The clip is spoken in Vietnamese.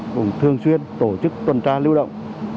cũng thường xuyên tổ chức tuần tra lưu động